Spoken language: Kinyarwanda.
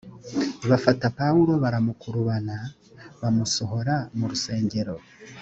bafata pawulo baramukurubana bamusohora mu rusengero